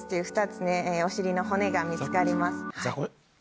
お尻の骨が見つかります。